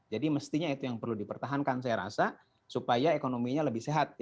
jadi mestinya itu yang perlu dipertahankan saya rasa supaya ekonominya lebih sehat